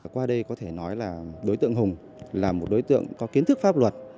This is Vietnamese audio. qua đây có thể nói là đối tượng hùng là một đối tượng có kiến thức pháp luật